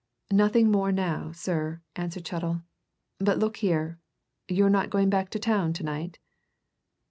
"Nothing more now, sir," answered Chettle. "But look here you're not going back to town to night?"